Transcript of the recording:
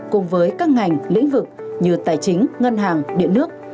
cùng với các ngành lĩnh vực như tài chính ngân hàng điện nước